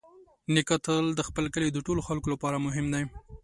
نیکه تل د خپل کلي د ټولو خلکو لپاره مهم دی.